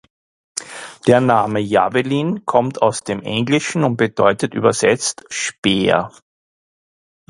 Der Name "Javelin" kommt aus dem englischen und bedeutet übersetzt "Speer".